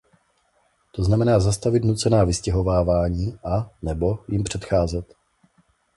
To znamená zastavit nucená vystěhovávání a/nebo jim předcházet.